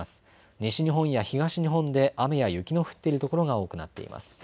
西日本や東日本で雨や雪の降っている所が多くなっています。